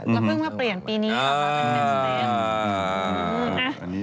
แล้วเพิ่งมาเปลี่ยนปีนี้